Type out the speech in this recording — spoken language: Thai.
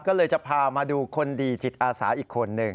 ก็เลยจะพามาดูคนดีจิตอาสาอีกคนหนึ่ง